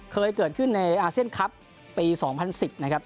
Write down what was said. เคยเกิดขึ้นในอาเซียนคลับปี๒๐๑๐นะครับ